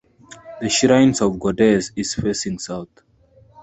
The shrine of Goddess is facing south.